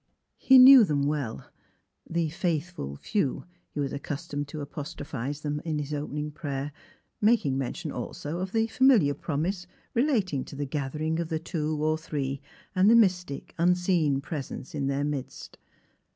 He knew them well; the '' Faithful Few," he was accustomed to apostrophise them in his opening prayer, making mention also of the familiar jDromise relating to the gathering of the two or three and the mystic, unseen presence in their midst.